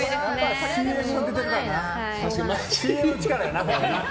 ＣＭの力やな。